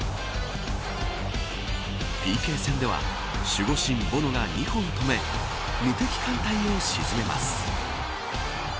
ＰＫ戦では守護神ボノが２本止め無敵艦隊を沈めます。